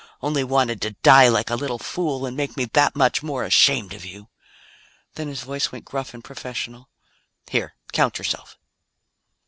"Only wanted to die like a little fool and make me that much more ashamed of you!" Then his voice went gruff and professional. "Here, count yourself."